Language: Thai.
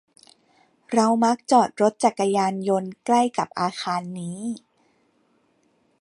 เรามักจอดรถจักรยานยนต์ใกล้กับอาคารนี้